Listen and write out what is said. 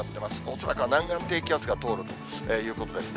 恐らくは南岸低気圧が通るということですね。